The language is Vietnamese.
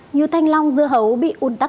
như thanh long dưa hấu bị un tắc